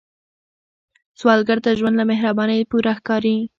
سوالګر ته ژوند له مهربانۍ پوره ښکاري